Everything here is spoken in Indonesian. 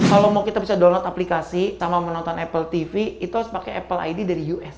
kalau mau kita bisa download aplikasi sama menonton apple tv itu harus pakai apple id dari us